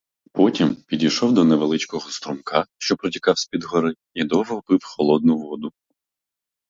Потім підійшов до невеличкого струмка, що протікав з-під гори, і довго пив холодну воду.